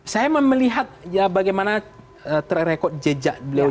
saya memelihat bagaimana terekor jejak beliau